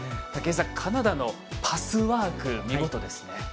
武井さん、カナダのパスワーク見事ですね。